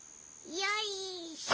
よいしょ。